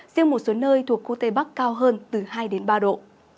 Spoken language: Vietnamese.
riêng một số nơi thuộc khu tây bắc cao hơn từ hai đến ba độ